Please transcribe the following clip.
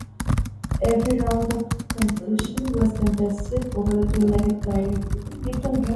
Every round of the competition was contested over a two-legged tie.